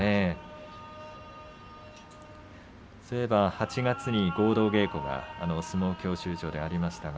８月の合同稽古が相撲教習所でありました。